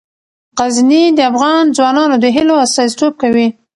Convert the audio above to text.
غزني د افغان ځوانانو د هیلو استازیتوب کوي.